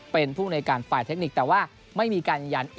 เป็นภูมิในการฝ่ายเทคนิคแต่ว่าไม่มีการยืนยัน